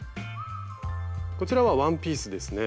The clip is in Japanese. こちらはワンピースですね。